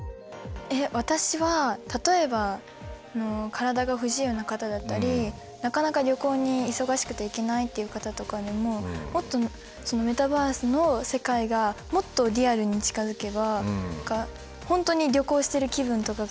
私は例えば体が不自由な方だったりなかなか旅行に忙しくて行けないっていう方とかでももっとメタバースの世界がもっとリアルに近づけば本当に旅行してる気分とかが味わえるようになって。